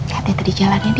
katanya tadi jalan ya di